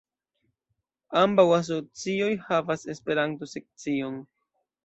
Ambaŭ asocioj havas Esperanto-sekcion.